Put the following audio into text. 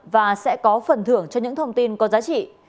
và sẽ có phần thưởng cho những thông tin có giá trị